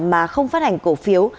mà không phát hành cổ phiếu